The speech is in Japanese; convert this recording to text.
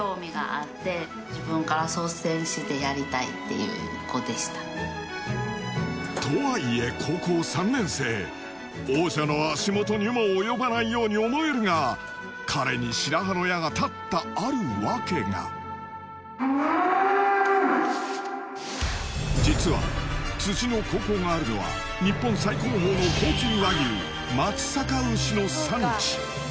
その姿を見てとはいえ高校３年生王者の足元にも及ばないように思えるが彼に白羽の矢が立ったある訳が実は辻の高校があるのは日本最高峰の高級和牛松阪牛の産地